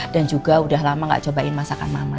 dan juga udah lama nggak cobain masakan mama